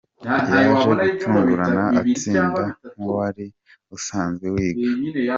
Yaje gutungurana atsinda nk’uwari usanzwe wiga.